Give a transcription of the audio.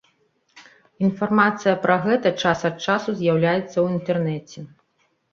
Інфармацыя пра гэта час ад часу з'яўляецца ў інтэрнэце.